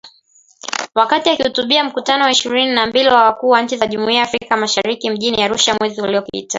Wakati akihutubia Mkutano wa ishirini na mbili wa Wakuu wa Nchi wa Jumuiya ya Afrika Mashariki mjini Arusha mwezi uliopita